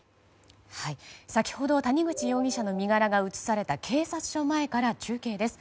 先ほど谷口容疑者の身柄が移された警察署前から中継です。